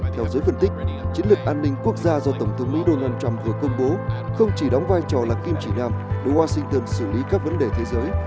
theo giới phân tích chiến lược an ninh quốc gia do tổng thống mỹ donald trump vừa công bố không chỉ đóng vai trò là kim chỉ nam nếu washington xử lý các vấn đề thế giới